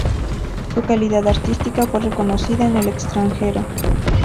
Su calidad artística fue reconocida en el extranjero.